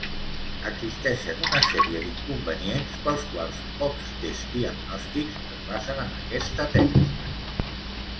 Existeixen una sèrie d'inconvenients pels quals pocs tests diagnòstics es basen en aquesta tècnica.